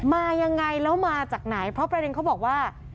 มายังไงแล้วมาจากไหนเพราะประเด็นเขาบอกว่า